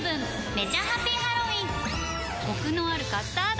めちゃハピハロウィンコクのあるカスタード！